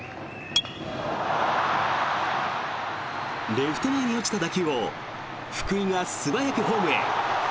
レフト前に落ちた打球を福井が素早くホームへ。